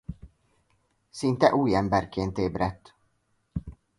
Szinte új emberként ébredt.